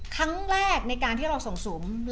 ครั้งแรกในการที่เราส่งสุม